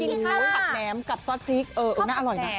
ผัดแนมกับซอสพริกเออน่าอร่อยนะ